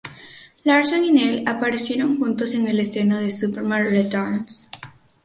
Larson y Neill aparecieron juntos en el estreno de "Superman Returns".